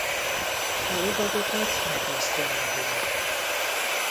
A lovagokat megosztja a hír.